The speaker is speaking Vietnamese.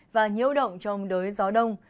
và nhiễu động trong đới gió đông